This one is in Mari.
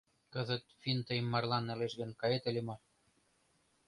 Кызыт финн тыйым марлан налеш гын, кает ыле мо?